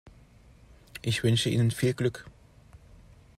Ich wünsche Ihnen viel Glück.